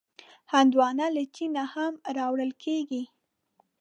هندوانه له چین نه هم راوړل کېږي.